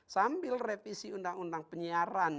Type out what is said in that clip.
sambil revisi undang undang penyiaran